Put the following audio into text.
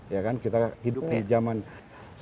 ya kan kita hidup di zaman serba hijau